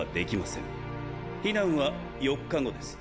避難は４日後です。